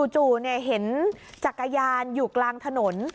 จู่เห็นจักรยานอยู่กลางถนน